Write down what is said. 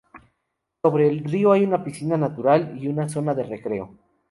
Sobre el río hay una piscina natural y una zona de recreo.